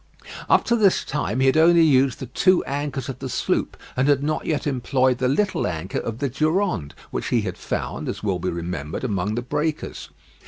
Up to this time he had only used the two anchors of the sloop and had not yet employed the little anchor of the Durande, which he had found, as will be remembered, among the breakers.